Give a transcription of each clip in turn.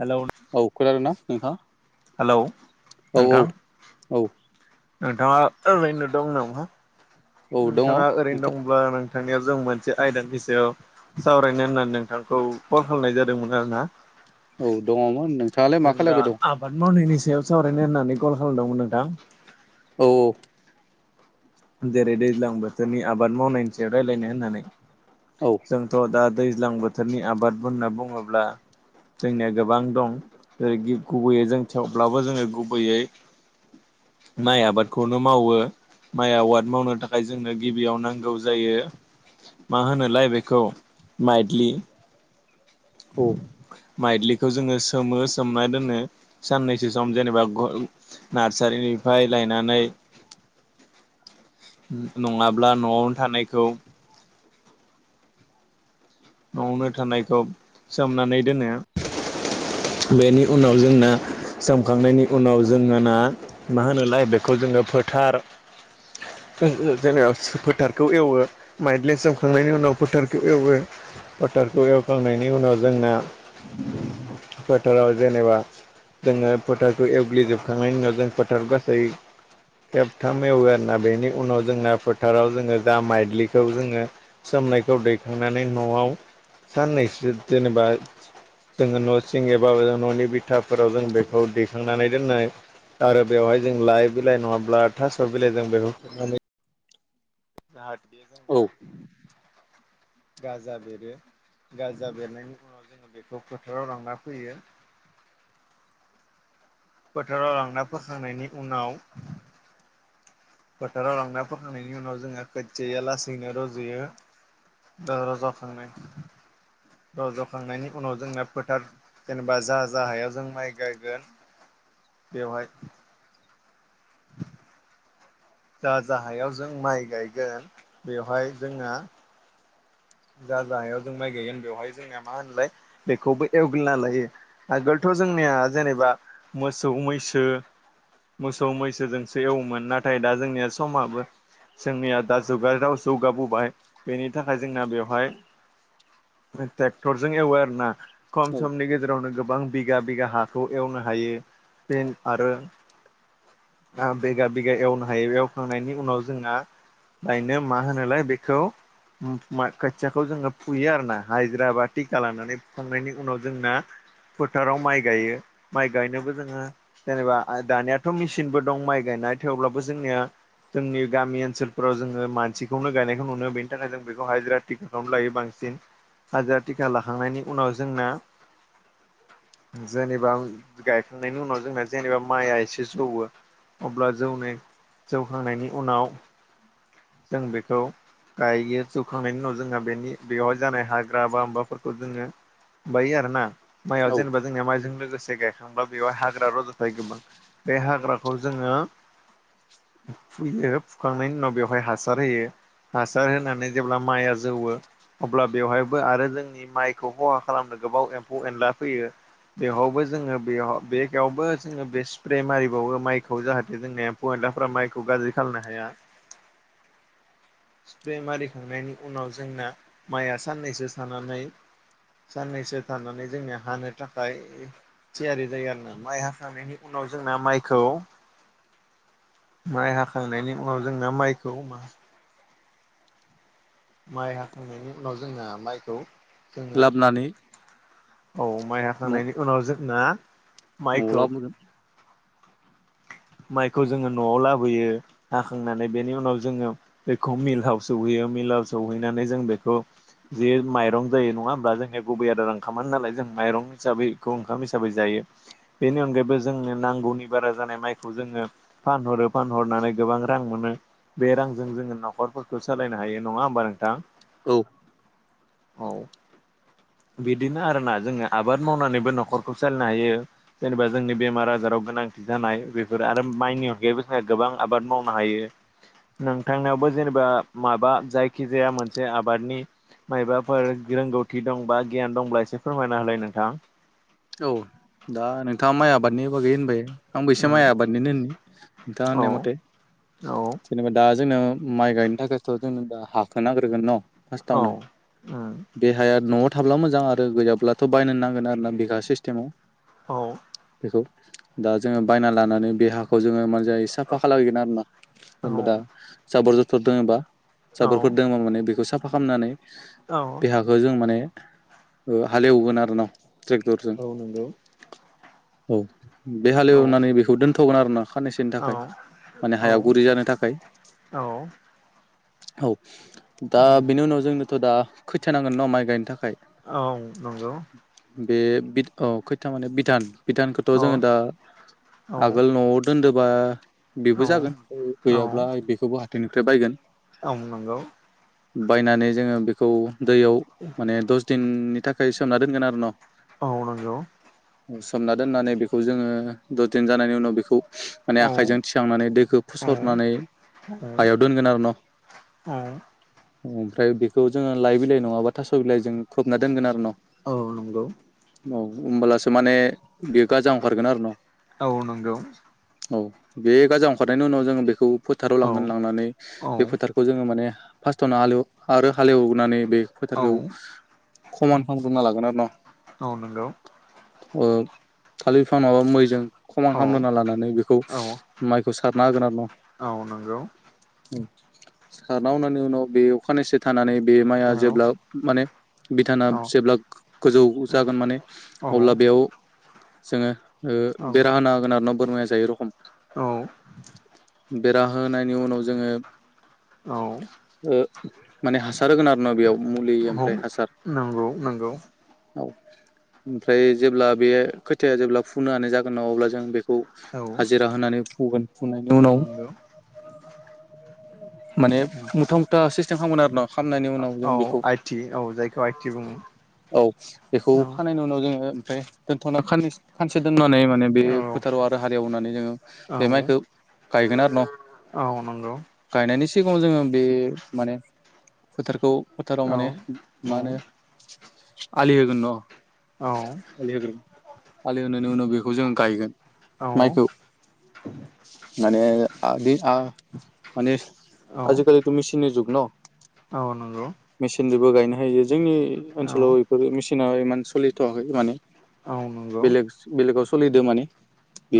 Hello! औ खोनादों ना नोंथां? हेलौ औ औ नोंथां औ। नोंथाङा ओरैनो दं नामा? औ दङ नोंथाङा ओरैनो नोंथां दंब्ला नों नोंथांनियाव जों मोनसे आयदानि सायाव सावरायनो होननानै नोंथांखौ कल खालामनाय जादोंमोन आरो ना। औ दङमोन नों जों दा आबाद मावनायनि सायाव सावरायनो होननानै कल खालामदोंमोन नोंथां। औ औ। जेरै दैज्लां बोथोरनि आबाद मावनायनि सायाव रायज्लायनो होननानै औ जोंथ' दा दैज्लां बोथोरनि आबाद होनना बुङोब्ला जोंनिया गोबां दं जेरै गुबैयै जों थेवब्लाबो जोङो गुबैयै माइ आबादखौनो मावो माइ आबाद मावनो थाखाय जोंनो गिबियाव नांगौ जायो मा होनोलाय बेखौ माइडलि औ माइदि्लिखौ जोङो सोमो सोमना दोनो साननैसो सम जेनेबा नार्सारिनिफ्राय लायनानै नङाब्ला न'आवनो थानायखौ न'आवनो थानायखौ सोमनानै दोनो बेनि उनाव जोंना सोमखांनायनि उनाव जोंहाना मा होनोलाय बेखौ जोङो फोथार जेनबा फोथारखौ एवो माइदलि सचमखांनायनि उनाव फोथारखौ एवो फोथारखौ एवखांनायनि उनाव जोंना फोथाराव जेनेबा जोङो फोथारखौ एवग्लिजोबखांनायनि उनाव जों फोथाराव गासै खेबथाम एवो आरोना बेनि उनाव जोंना फोथाराव जोङो दा माइदलिखौ जोङो सोमनायखौ दैखांनानै न'आव साननैसो जेनेबा जोङो न' सिं एबा न'नि बिग फोराव जों बेखौ दैखांनानै दोननाय आरो बेवहाय जों लाइभ बिलाइ नङाब्ला थास' बिलाइ बेफोरजों खोबनानै औ [inaudible] गाजा बेरो गाजा बेनायनि उनाव जोङो बेखौ फोथाराव लांना फैयो फोथाराव लांना फोखांनायनि उनाव फोथाराव लांना फोखांनायनि उनाव जोङो खोसथिया लासैनो रज'यो ओ जाखांनाय रज'खांनायनि उनाव जोंना फोथार जेनेबा जा जा हायाव जों माइ गायगोन बेवहाय जा जा हायाव जों माइ गायगोन बेवहाय जोङो जा जाहायाव जों माइ गायगोन बेवहाय जोंना मा होनलाय बेखौबो एवग्लिना लायो आगोलथ' जोंनिया जेनेबा मोसौ मैसो मोसौ मैसोजोंसो एवोमोन नाथाय दा जोंनिया समाबो जोंनिया दा जुगाव जौगाबोबाय बेनि थाखाय जोंना बेवहाय ट्रेक्टरजों एवो आरो ना खम औ समनि गेजेरावनो गोबां बिगा बिगा हाखौ एवनो हायो बेन आरो हा बिगा बिगा एवनो हायो एवखांनायनि उनाव जोंहा गायनो मा होनोलाय बेखौ मो मा खोथियाखौ जोङो फुयो आरो ना हायद्राबाद टिखा लानानै फुखांनायनि उनाव जोंना फोथाराव माइ गायो माइ गायनोबो जोङो जेनेबा दानियाथ मेसिनबो दं माइ गायनाय थेवब्लाबो जोंनिया जोंनि गामि ओनसोलफोराव जोङो मानसिखौनो गायनायखौ नुनो बेनि थाखाय जों बेखौहाय हाजिरा टिका खौनो लायो बांसिन हाजिरा टिका लाखांनायनि उनाव जोंना जेनेबा गायखांनायनि उनाव जोंना जेनेबा माइआ एसे जौवो अब्ला जौनाय जौखांनायनि उनाव जों बेखौ गायो जौखांनायनि उनाव जोंहा बेनि बेयाव जानाय हाग्रा बा माबाफोरखौ जोंङो माबायो आरोना मायाव औ जेनबा जोंनिया माइजों लोगोसे गायखांब्ला बेवहाय हाग्रा रजायो गोबां बे हाग्राखौ जोङो फुयो फुखांनायनि उनाव बेवहाय हासार होयो हासार होनानै जेब्ला माइया जौवो अब्ला बेवहायबो आरो जोंनि माइखौ खहा खालामनो गोबां एम्फौ एनला फैयो बेयावबो जोङो बेयाव बेगावबो जोङो बे स्प्रे मारिबावो माइखौ जाहाथे जोंनि एमफौ एनलाफोरा माइखौ गाज्रि खालामनो हाया स्प्रे मारिखांनायनि उनाव जोंना माइया साननैसो थानानै साननैसो थानानै जोंनिया हानो थाखाय थियारि जायो आरो ना माइ हाखांनायनि उनाव जोंना माइखौ माइ हाखांनायनि उनाव जोंना माइखौ माइ हाखांनायनि उनाव जोंना माइखौ जोङो लाबोनानै औ माइ न' हाखांनायनि उनाव जोंना नआव माइखौ लाबोगोन माइखौ जोङो नआव लाबोयो हाखांनानै बेनि उनाव जोङो बेखौ मिलाव सौहैयो मिलाव सौहैनानै जों बेखौ जे माइरं जायो नङा होमब्ला जोंनिया गुबै आदार ओंखामानो नालाय जों माइरं हिसाबै बेखौ ओंखाम हिसाबै जायो बेनि अनगायैबो जोंनो नांगौनि बारा जानाय माइ खौ जोङो फानहरो फानहरनानै गोबां रां मोनो बे रांजों जोङो नखरफोरखौ सालायनो हायो नङा होमबा नोंथां औ औ बिदिनो आरोना जोङो आबाद मावनानैबो नखरखौ सालायनो हायो जेनेबा जोंनि बेमार आजार आव गोनांथि जानाय बे बेफोर आरो माइनि अनगायैबो जोंहा गोबां आबाद मावनो हायो नोंथांनावबो जेनेबा माबा जायखिजाया मोनसे आबादनि माइबाफोर रोंगौथि दंबा गियान दंब्ला एसे फोरमायना होलाय नोंथां औ दा नोंथाङा माइ आबादनि बागै होनबाय आंबोसे माइ आबाद निनोन नोंथाङा औ होननाय मथे जेनेबा दा जोंनो माइ गायनो थाखायथ जोंनो दा हाखो नाग्रोगोन न औ फार्स्टआवनो बे हाया नआव थाब्ला मोजां आरो गैयाब्लाथ बायनो नांगोन आरोना बिगासे सिस्टेमाव औ बेखौ दा जोङो बायना लानानै बे हाखौ जोङो मान दायो साफा खालामहैगोन आरोना औ जेनेबा दा जाबर जुथुर दङबा औ जाबोरफोर दोङो माने बेखौ साफा खालामनानै औ बे हाखौ जों माने ओ हालेवगोन आरो न ट्रेक्टरजों औ नंगौ औ बे औ हालेवनानै बेखौ दोनथ'गोन आरोना फाननैसोनि औ थाखाय माने औ हायाव गुरै जानो थाखाय औ औ दा बेनि उनाव जोंनोथ' दा खोथियानांगोन ना माइ गानो थाखाय औ नंगौ बे बिथ अ खैथा माने बिधान बिधानखौ अ जोङो दा औ आगेल न'आव दोनदोबा औ बेबो जागोन ओमफ्राय गैयाब्ला बेखौबो हाथायनिफ्राय बायगोन आं नंगौ बायनानै जोङो बेखौ दैयाव माने दसे दिननि थाखाय सोमना दोनगोन आरो ना औ नंगौ सोमना दोननानै बेखौ जोङो दस दिन जानायनि उनाव बेखौ औ माने आखाइजों थिखांनानै दैखौ औ फुसरनानै औ हायाव दोनगोन आरो न' औ ओमफ्राय बेखौ लइ बिलाइ नङाबा थास' जों खबना दोनगोन आरो न' औ नंगौ औ होमब्लासो माने बेयो गाजा ओंखारगोन आरो ना औ नंगौ औ बे गाजा ओंखारनायनि उनाव जोङो बेखौ फोथाराव औ लांगोन लांनानै औ बे फोथारखौ जोङो माने फार्स्टआवनो हालेव आरो हालेवनानै बे औ फोथारखौ खमान खालामग्रोनना लागोन आरो ना औ नंगौ ओ खालिर बिफां नाबा मैजों खमान औ खालामामलना लानानै बेखौ औ माइखौ सारना होगोन आरो ना औ नंगौ सारना हनि उनाव बे अखानाय सो थानानै बे औ माइआ जेब्ला माने बिथाना औ जेब्ला गोजौ औ जागोन माने अब्ला बेयाव जोङो ओ औ बेरा होन हागोन आरो ना बोरमाया जायो रखम औ बेरा होनायनि उनाव जोङो औ ओ माने हासार होगोन आरो ना बेयाव मुलि ओमफ्राय हासार नंगौ नंगौ औ ओमफ्राय जेब्ला बे खोथाया जेब्ला फुननो हानाय जागोन नामा अब्ला जों बेखौ औ हाजिरा होनानै फुगोन फुनायनि औ उनाव नंगौ माने मुथा मुथा सिस्टेम खालामोन आरो ना खालामनायनि उनाव औ जों बेखौ आइटि औ जायखौ आइटि बुङो। औ बेखौ औ खानायनि उनाव जोङो ओमफ्राय दोनथनानै खानसे दोननानै माने बे औ फोथाराव आरो हालैनानै जोङो औ बे माइखौ गायगोन आरो ना औ नंगौ गायनायनि सिगाङाव जोङो बे माने फोथारखौ फोथाराव औ माने औ मा होनो आलि होगोन न' औ आलि होग्रोन आलि होनायनि उनाव बेखौ जोंङा गायगोन औ माइखौ माने आं बे आं माने आजिखालिथ' मेसिन जुग न। आ नांगौ। मेसिनजोंबो गायनो हायो जोंनि औ ओनसोलाव बेफोर मेसिना इमान सोलिथ'वाखै माने औ नंगौ। बेलेग बेलेगाव सोलिदों माने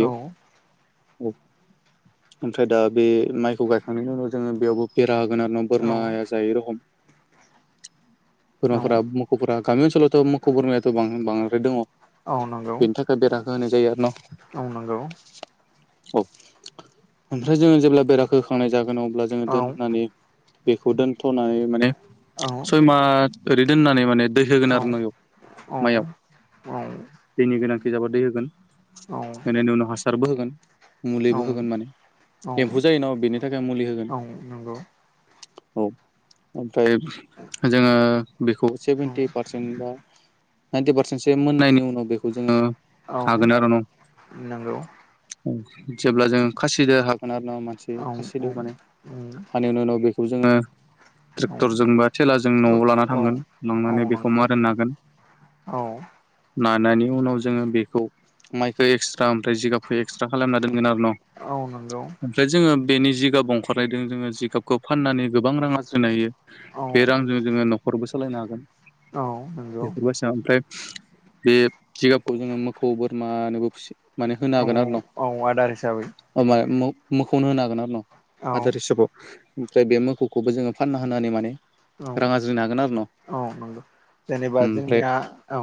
औ औ ओमफ्राय दा बे माइखौ गाख थांनायनि उनाव जोङो बेयावबो बेरा होगोन आरो ना औ बोरमाया जायो रखम। औ बोरमाफोरा मोखौफोरा गामि ओनसोलावथ' मोखौ बोरमायाथ' बां-बांद्राय दङ। औ नंगौ बेनि थाखाय बेराखौ होनाय जायो आरो न'। औ नंगौ औ ओमफ्राय जोङो जेब्ला बेराखौ। थांनाय जागोन अब्ला जोङो औ दोननानै बेखौ दोनथ'नानै माने औ सयमा ओरै दोननानै माने दै औ होगोन आरो नोंयाव। औ दैनि गोनांथि जाबा दै होगोन। औ बिनि उनाव हासारबो होगोन मुलिबो होगोन माने औ एम्फौ जायोना बेनि थाखाय मुलि होगोन औ नंगौ। औ ओमफ्राय जोङो बेखौ औ सेभेन्टि पारसेन बा नाइन्टि पारसेन्टसो मोननायनि उनाव बेखौ जोङो खागोन आरो न' नांगौ। जेब्ला जोंङो खासिजों हागोन आरो ना मानसि [unintelligible] खानायनि उनाव बेखौ जोङो। ट्रेक्टरजों बा थेलाजों न'आव लाना थांगोन लांनानै बेखौ नंगौ मा मारा नागोन। औ नानायनि उनाव जोङो बेखौ माइखौ एक्सट्रा ओमफ्राय जिगाबखौ एक्सट्रा खालामना दोनगोन आरो न' औ ओमफ्राय जोङो बेनि जिगाब अंखारनायदों जोङो जिगाबखौ फाननानै गोबां रां आरजिनो हायो। बे रांजों जोङो न'खरबो सालायनो हागोन नंगौ बेफोरबायसा ओमफ्राय बे जिगाबखौ जोङो मोखौ बोरमानोबो फि माने होनो औ हागोन आरो ना औ आदार हिसाबै। अ मा मोखौनो होनो हागोन आरो न' औ आदार हिसाबाव। ओमफ्राय बे मोखौखौबो जोङो फानना होनानै माने औ रां आरज्रिनो हागोन आरो न'। औ नंगौ जेनेबा ओमफ्राय जोंनिया औ।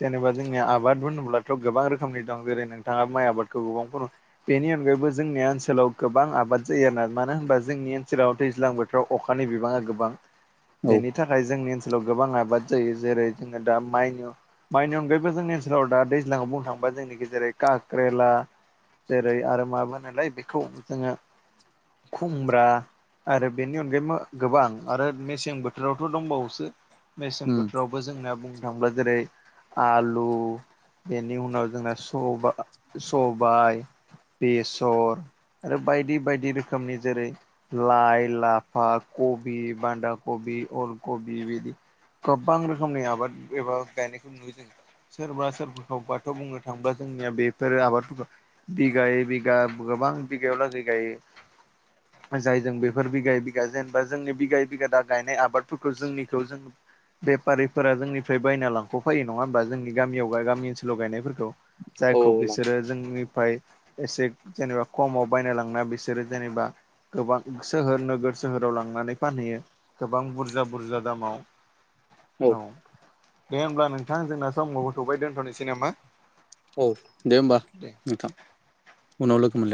जेनेबा जोंनिया आबाद होनोब्लाथ' गोबां रोखोमनि दं जेरै नोंथाङा माइ आबादखौ गोबांखौ बेनि अनगायैबो जोंनिया ओनसोलाव गोबां आबाद जायो आरोना मानो होनबा जोंनि ओनसोलाव दैज्लां बोथ फ्राव अखानि बिबाङा गोबां औ बेनि थाखाय जोंनि ओनसोलाव गोबां आबाद जायो जेरै जोङो दा माइन माइनि अनगायैबो जोंनि ओनसोलाव दा दैज्लांखौ बुंनो थाङोबा जोंनि गेजेरै काक्रेला जेरै आरो माबो होनोलाय बेखौ जोङो खुमब्रा। आरो बेनि अनगायैबो गोबां आरो मेसें बोथोरावथ' दंबावोसो मेसें बोथ बो जोंना बुंनो थाङोब्ला जेरै आलु। बेनि उनाव जोंना सबा-सबाय बेसर। बायदि बायदि रोखोमनि जेरै लाइ, लाफा, कबि बान्दा, कबि अलकबि बिदि गोबां रोखोमनि आबाद एबा गायनायखौ नुयो जों सोरबा सोरबखौबाथ' बुंनो थाङोब्ला जोंनिया बेफोरो आबादफोरखौ बिगायै बिगा गोबां बिगायाव लागै गायो। जायजों बेफोर बिगायै बिगा जेनेबा जोंनि बिगायै बिगा दा गायनाय आबादफोरखौ जोंनिखौ जों बेफारिफोरा जोंनिफ्राय लांख'फायो नङा होमबा जोंनि गामि ओनसोलाव गायनायफोरखौ? जायखौ औ बिसोरो जोंनिफ्राय एसे जेनेबा खमाव बायना लांना बिसोरो जेनेबा गोबां सोहोर नोगोर सोहोराव लांनानै फानहैयो गोबां बुरजा बुरजा दामाव। औ दे ओमब्ला नोंथां जोंना समाबो थौबाय दोनथ'नोसै नामा? औ दे ओमबा दे नोंथां उनाव लोगो मोनलाय